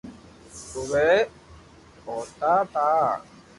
اووي ھوتا تا